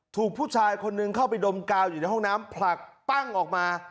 ถูกผู้ชายคนหนึ่งเข้าไปดมกาวอยู่ในห้องน้ำผลักปั้งออกมา